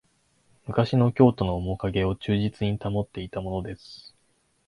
昔の京都のおもかげを忠実に保っていたものです